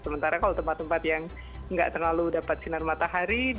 sementara kalau tempat tempat yang nggak terlalu dapat sinar matahari